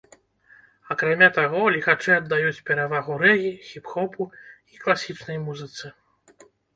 Акрамя таго, ліхачы аддаюць перавагу рэгі, хіп-хопу і класічнай музыцы.